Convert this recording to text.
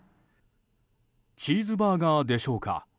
チーズバーガーでしょうか？